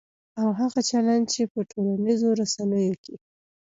او هغه چلند چې په ټولنیزو رسنیو کې